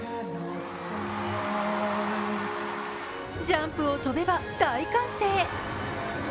ジャンプを跳べば大歓声。